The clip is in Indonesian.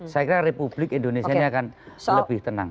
saya kira republik indonesia ini akan lebih tenang